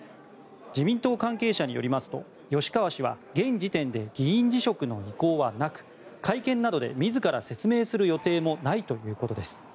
自民党関係者によりますと吉川氏は現時点で議員辞職の意向はなく会見などで自ら説明する予定もないということです。